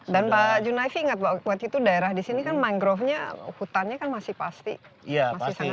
dan pak junaifi ingat waktu itu daerah di sini kan mangrovenya hutannya kan masih pasti ya pasti